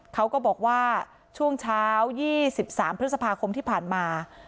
เขาก็บอกว่าช่วงเช้า๒๓พฤษภาคมที่ผ่านมา